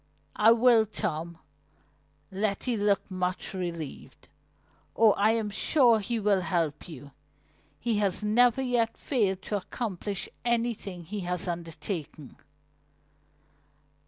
"I will, Tom," Letty looked much relieved. "Oh, I am sure he will help you! He has never yet failed to accomplish anything he has undertaken!"